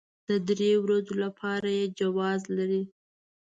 د درې ورځو لپاره يې جواز لري.